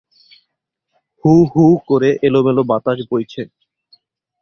হুহু করে এলোমেলো বাতাস বইছে।